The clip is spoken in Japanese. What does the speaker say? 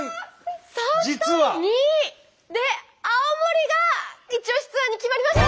３対２で青森がイチオシツアーに決まりました！